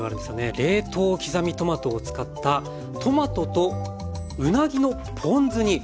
冷凍刻みトマトを使ったトマトとうなぎのポン酢煮。